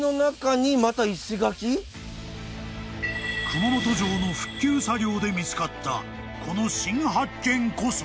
［熊本城の復旧作業で見つかったこの新発見こそ］